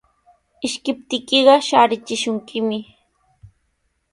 Ishkiptiykiqa shaarichishunkimi.